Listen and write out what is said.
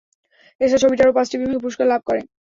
এছাড়া ছবিটি আরও পাঁচটি বিভাগে পুরস্কার লাভ করে।